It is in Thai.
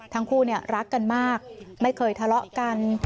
ทั้งคู่รักกันมากไม่เคยทะเลาะกัน